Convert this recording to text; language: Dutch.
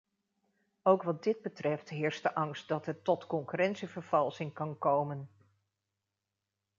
Ook wat dit betreft heerst de angst dat het tot concurrentievervalsing kan komen.